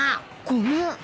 ごめん。